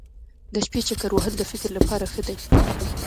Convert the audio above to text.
د شپې چکر وهل د فکر لپاره ښه دي.